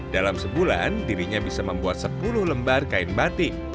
dalam sebulan dirinya bisa membuat sepuluh lembar kain batik